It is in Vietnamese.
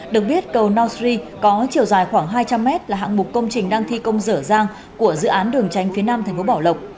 được biết cầu nau sri có chiều dài khoảng hai trăm linh m là hạng mục công trình đang thi công rở rang của dự án đường tránh phía nam tp bảo lộc